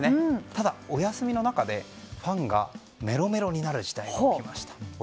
ただ、お休みの中でファンがメロメロになる事態が起きました。